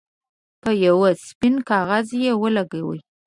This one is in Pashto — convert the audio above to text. په یو سپین کاغذ یې ولګوئ.